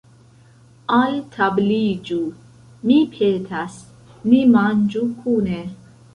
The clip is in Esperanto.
Altabliĝu, mi petas, ni manĝu kune.